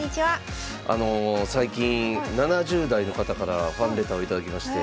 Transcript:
あの最近７０代の方からファンレターを頂きまして。